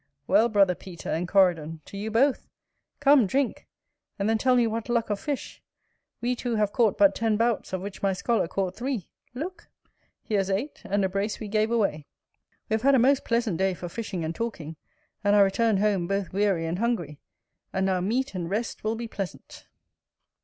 Well, brother Peter and Coridon, to you both! Come, drink: and then tell me what luck of fish: we two have caught but ten bouts, of which my scholar caught three. Look! here's eight; and a brace we gave away. We have had a most pleasant day for fishing and talking, and are returned home both weary and hungry; and now meat and rest will be pleasant.